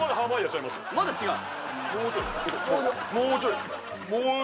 まだ違う？